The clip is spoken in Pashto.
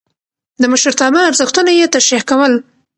د مشرتابه ارزښتونه يې تشريح کول.